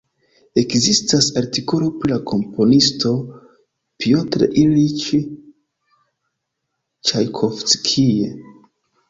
Ekzistas artikolo pri la komponisto Pjotr Iljiĉ Ĉajkovskij.